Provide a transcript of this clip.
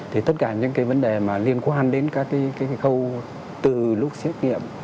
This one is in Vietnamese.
thì tất cả những cái vấn đề mà liên quan đến các cái khâu từ lúc xét nghiệm